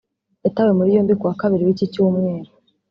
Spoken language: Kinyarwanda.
yatawe muri yombi kuwa Kabiri w’iki Cyumweru